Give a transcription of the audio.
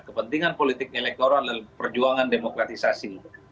kepentingan politik elektoral adalah perjuangan demokratisasi